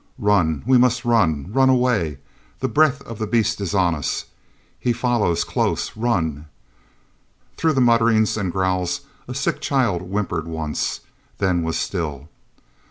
"Run—we must run—run away—the breath of the beast is on us—he follows close—run...." Through the mutterings and growls a sick child whimpered once, then was still.